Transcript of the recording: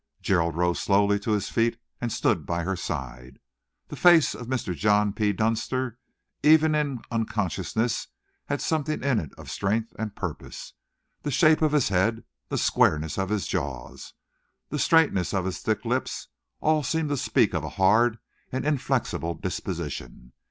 Gerald rose slowly to his feet and stood by her side. The face of Mr. John P. Dunster, even in unconsciousness, had something in it of strength and purpose. The shape of his head, the squareness of his jaws, the straightness of his thick lips, all seemed to speak of a hard and inflexible disposition.